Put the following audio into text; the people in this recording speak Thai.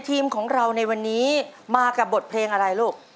ทีมของเราในวันนี้มากับบทเพลงอะไรลูก